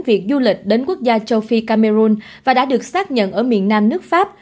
việc du lịch đến quốc gia châu phi cameroon và đã được xác nhận ở miền nam nước pháp